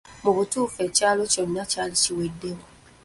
Mu butuufu ekyalo kyonna kyali kiweddeyo.